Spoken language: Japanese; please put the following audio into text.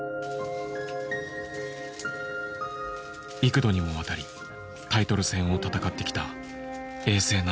幾度にもわたりタイトル戦を戦ってきた永世七